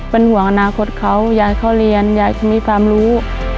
เป็นห่วงอนาคตเขายายเขาเรียนยายจะมีความรู้